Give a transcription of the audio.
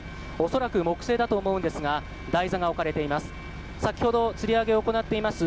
恐らく木製だと思うんですが台座が置かれています。